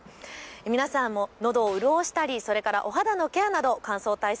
皆さんものどを潤したりそれからお肌のケアなど乾燥対策